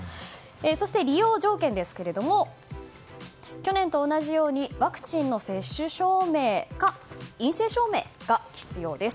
そして利用条件ですが去年と同じようにワクチンの接種証明か陰性証明が必要です。